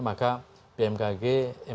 maka bmkg embak on lah istilahnya begitu